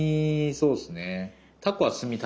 そうですね。